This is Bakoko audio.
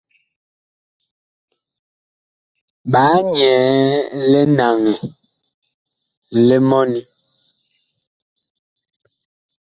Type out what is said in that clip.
Ɓaa nyɛɛ linaŋɛ li mɔni.